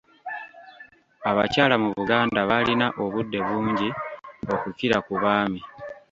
Abakyala mu Buganda baalina obudde bungi okukira ku baami